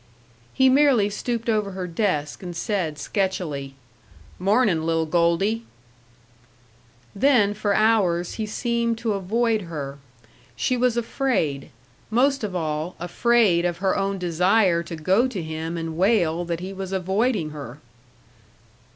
He merely stooped over her desk and said, sketchily, "Mornin', little Goldie." Then for hours he seemed to avoid her. She was afraid. Most of all, afraid of her own desire to go to him and wail that he was avoiding her.